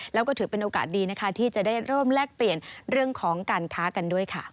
แล้วก็ถือเป็นโอกาสดีนะคะที่จะได้เริ่มแลกเปลี่ยนเรื่องของการค้ากันด้วยค่ะ